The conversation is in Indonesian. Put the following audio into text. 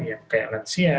yang rentan seperti lansia